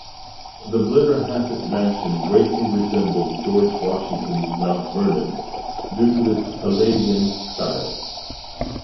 The Blennerhasset mansion greatly resembled George Washington's Mount Vernon, due to its Palladian style.